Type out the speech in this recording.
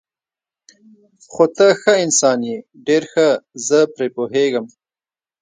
خو ته ښه انسان یې، ډېر ښه، زه پرې پوهېږم.